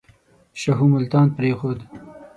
شاهو ملتان پرېښود.